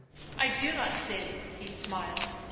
" I do not sin," he smiled.